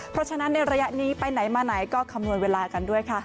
เพราะฉะนั้นในระยะนี้ไปไหนมาไหนก็คำนวณเวลากันด้วยค่ะ